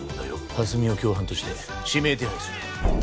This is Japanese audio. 蓮見を共犯として指名手配する。